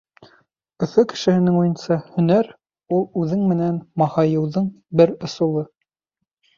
Өфө кешеһенең уйынса, һөнәр — ул үҙең менән маһайыуҙың бер ысулы.